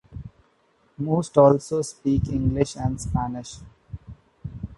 Most also speak English and Spanish.